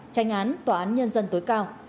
tranh án tòa án nhân dân tối cao